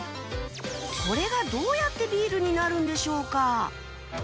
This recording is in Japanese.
これがどうやってビールになるんでしょうか？